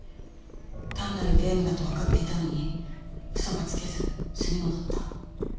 単なるゲームだと分かっていたのに嘘がつけず素に戻った。